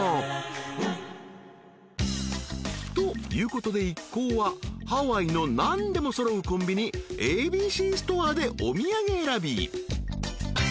［ということで一行はハワイの何でも揃うコンビニＡＢＣストアでお土産選び］